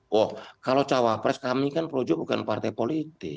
wah kalau capres kami kan pro jo bukan partai politik